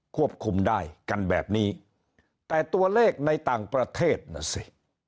ควบคุมได้กันแบบนี้แต่ตัวเลขในต่างประเทศน่ะสิ